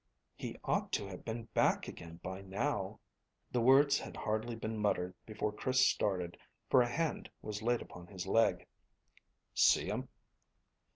"He ought to have been back again by now." The words had hardly been muttered before Chris started, for a hand was laid upon his leg. "See 'em?"